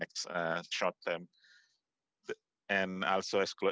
kurang termen depan